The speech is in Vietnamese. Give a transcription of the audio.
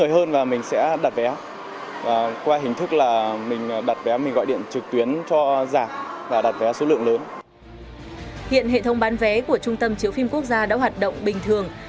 hiện hệ thống bán vé của trung tâm chiếu phim quốc gia đã hoạt động bình thường